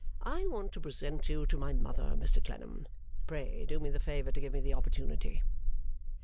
I want to present you to my mother, Mr Clennam. Pray do me the favour to give me the opportunity.